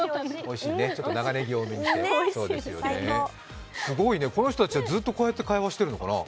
おいしいね、長ねぎを抜いてすごいね、この人たちはずっとこうやって会話してるのかな。